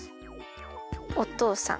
おとうさん。